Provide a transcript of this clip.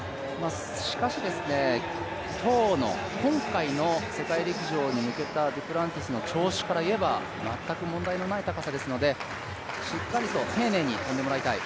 しかし、今回の世界陸上に向けたデュプランティスの調子からいえば全く問題のない高さですのでしっかりと丁寧に跳んでもらいたい。